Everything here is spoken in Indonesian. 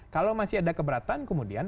kalau masih ada keberatan kemudian